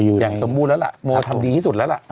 อย่างสมบูรณ์แล้วล่ะโมทำดีที่สุดแล้วล่ะ